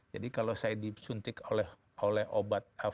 jadi kalau saya disuntik oleh obat vaksin